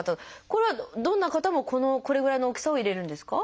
これはどんな方もこれぐらいの大きさを入れるんですか？